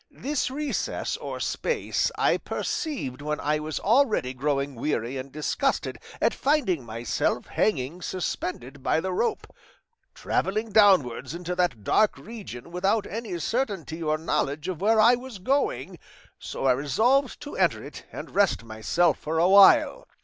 This recess or space I perceived when I was already growing weary and disgusted at finding myself hanging suspended by the rope, travelling downwards into that dark region without any certainty or knowledge of where I was going, so I resolved to enter it and rest myself for a while.